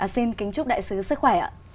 xin kính chúc đại sứ sức khỏe ạ